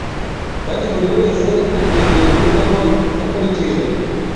kandi buri wese akwiriye guhitamo akurikije